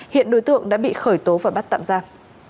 hiện đối tượng đã bị khởi tố và bắt tạm giam